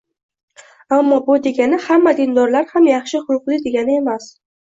ammo bu degani hamma dindorlar ham yaxshi xulqli degani emas.